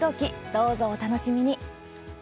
どうぞ、お楽しみに。